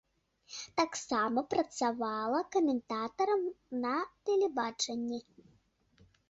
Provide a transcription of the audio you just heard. Таксама працавала каментатарам на тэлебачанні.